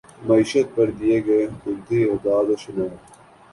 معیشت پر دیے گئے حکومتی اعداد و شمار